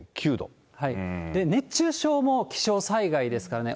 熱中症も気象災害ですからね。